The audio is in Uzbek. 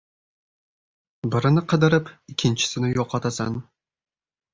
• Birini qidirib, ikkinchisini yo‘qotasan.